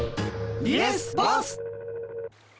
イエスボス！